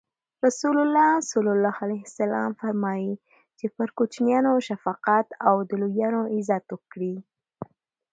رسول الله ص فرمایي: چی پر کوچنیانو شفقت او او د لویانو عزت وکړي.